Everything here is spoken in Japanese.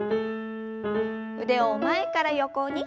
腕を前から横に。